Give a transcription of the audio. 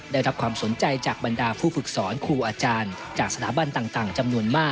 ได้รับความสนใจจากบรรดาผู้ฝึกสอนครูอาจารย์